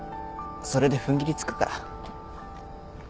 それで踏ん切りつくから。